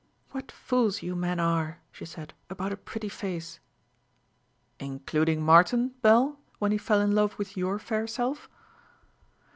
"What fools you men are," she said, "about a pretty face!" "Including Martin, Belle, when he fell in love with your fair self?"